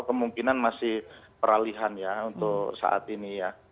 kemungkinan masih peralihan ya untuk saat ini ya